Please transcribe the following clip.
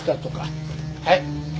はい。